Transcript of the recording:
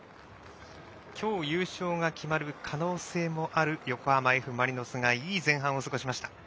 今日、優勝が決まる可能性もある横浜Ｆ・マリノスが、いい前半を過ごしました。